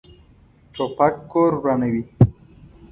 توپک کور ورانوي.